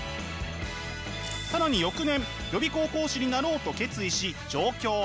更に翌年予備校講師になろうと決意し上京。